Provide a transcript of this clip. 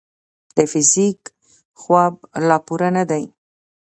د فزیک خواب لا پوره نه دی.